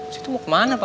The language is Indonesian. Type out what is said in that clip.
situ mau kemana bapak